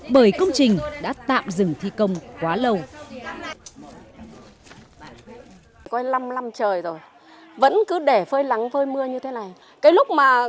và tình hình đã tạm dừng thi công quá lâu